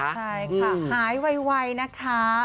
ใช่ค่ะหายไวนะคะ